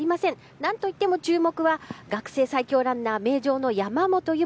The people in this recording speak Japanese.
何といっても注目は学生最強ランナー名城の山本有真。